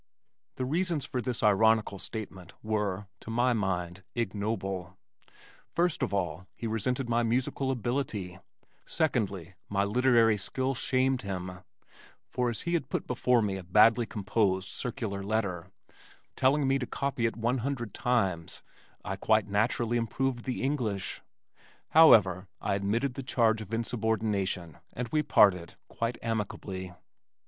The reasons for this ironical statement were (to my mind) ignoble; first of all he resented my musical ability, secondly, my literary skill shamed him, for as he had put before me a badly composed circular letter, telling me to copy it one hundred times, I quite naturally improved the English. However, I admitted the charge of insubordination, and we parted quite amicably.